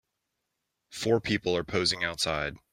Four people are posing outside.